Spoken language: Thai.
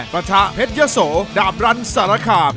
ประชาเพชรยะโสดาบรันสารคาม